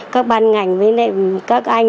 các ban ngành với các anh